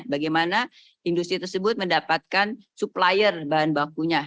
bagaimana industri tersebut mendapatkan supplier bahan bakunya